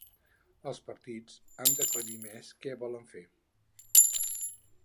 Els partits han d’aclarir més què volen fer.